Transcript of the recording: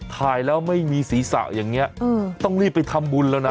ถ่ายแล้วไม่มีศีรษะอย่างนี้ต้องรีบไปทำบุญแล้วนะ